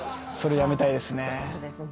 それやめたいですね。